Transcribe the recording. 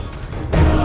oh baik pak